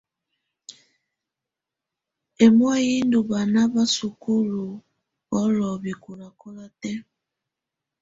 Ɛmɔ̀á yɛ ndù bana ba sukulu ɔlɔ bɛkɔlakɔla tɛ̀á.